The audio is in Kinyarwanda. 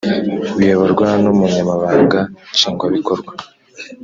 biyoborwa n umunyamabanga nshingwa bikorwa